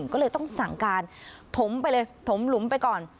ก็เลยต้องสั่งการถมไปเลยถมหลุมไปก่อน